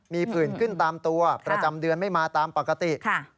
มีผื่นขึ้นตามตัวประจำเดือนไม่มาตามปกติ